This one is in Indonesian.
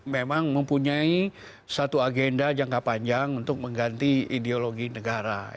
memang mempunyai satu agenda jangka panjang untuk mengganti ideologi negara